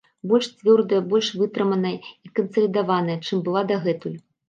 Больш цвёрдая, больш вытрыманая і кансалідаваная, чым была дагэтуль.